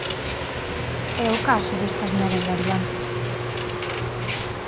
É o caso destas novas variantes.